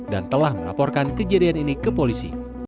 dan telah melaporkan kejadian ini ke polisi